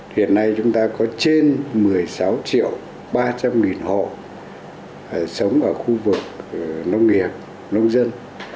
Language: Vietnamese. hiện nay chúng ta có trên một mươi sáu triệu ba trăm linh hộ sống ở khu vực nông nghiệp nông dân